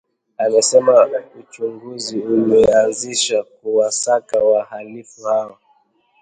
Amesema uchunguzi umeanzishwa kuwasaka wahalifu hao